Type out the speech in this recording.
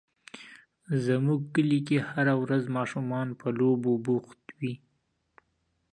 زموږ کلي کې هره ورځ ماشومان په لوبو بوخت وي.